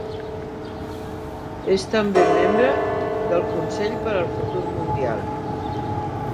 És també membre del Consell per al Futur Mundial.